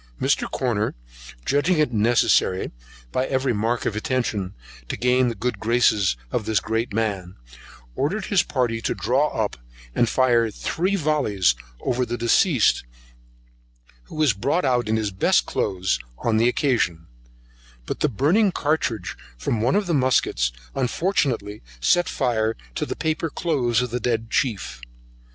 Mr. Corner judging it necessary, by every mark of attention, to gain the good graces of this great man, ordered his party to draw up, and fire three vollies over the deceased, who was brought out in his best new cloaths, on the occasion; but the burning cartridge from one of the muskets, unfortunately set fire to the paper cloaths of the dead chief.